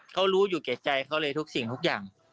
เขารู้อยู่แก่ใจเขาเลยทุกสิ่งทุกอย่าง